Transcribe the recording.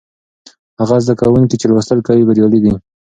هغه زده کوونکي چې لوستل کوي بریالي دي.